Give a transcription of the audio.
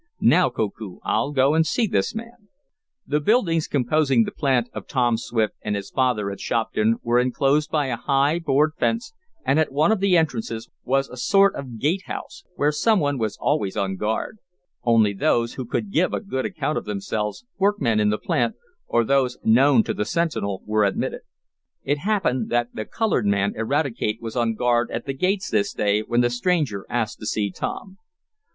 Now, Koku, I'll go and see this man." The buildings composing the plant of Tom Swift and his father at Shopton were enclosed by a high, board fence, and at one of the entrances was a sort of gate house, where some one was always on guard. Only those who could give a good account of themselves, workmen in the plant, or those known to the sentinel were admitted. It happened that the colored man, Eradicate, was on guard at the gates this day when the stranger asked to see Tom.